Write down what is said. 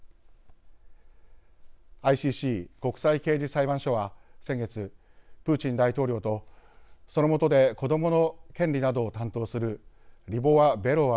ＩＣＣ国際刑事裁判所は先月プーチン大統領とその下で子どもの権利などを担当するリボワベロワ